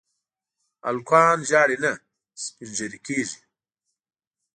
هلکان ژاړي نه، سپين ږيري کيږي.